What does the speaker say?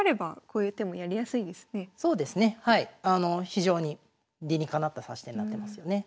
非常に理にかなった指し手になってますよね。